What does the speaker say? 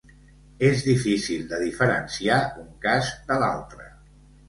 És difícil de diferenciar un cas de l'altre.